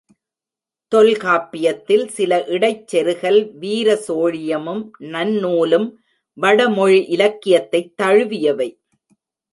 தொல்காப்பியத்தில் சில இடைச் செருகல் வீர சோழியமும், நன்னூலும் வடமொழி இலக்கியத்தைத் தழுவியவை.